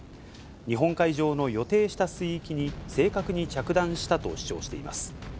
日本海上の予定した水域に正確に着弾したと主張しています。